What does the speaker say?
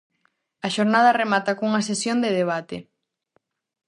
A xornada remata cunha sesión de debate.